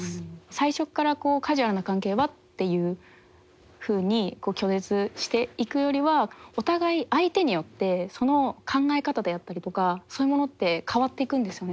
最初っから「カジュアルな関係は」っていうふうに拒絶していくよりはお互い相手によってその考え方であったりとかそういうものって変わっていくんですよね